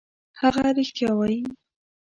هغه رښتیا وايي.